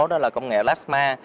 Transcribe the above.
đó là công nghệ plasma